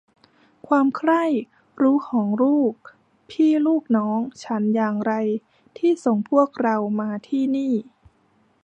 ความใคร่รู้ของลูกพี่ลูกน้องฉันอย่างไรที่ส่งพวกเรามาที่นี่